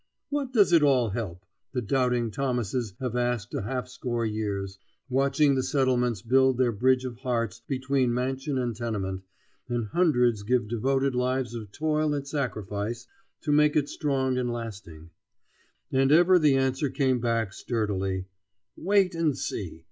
"What does it all help?" the doubting Thomases have asked a half score years, watching the settlements build their bridge of hearts between mansion and tenement, and hundreds give devoted lives of toil and sacrifice to make it strong and lasting; and ever the answer came back, sturdily: "Wait and see!